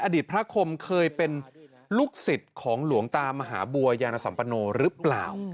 อดีตพระคมเคยเป็นลูกศิษย์ของหลวงตามหาบัวยานสัมปโนหรือเปล่า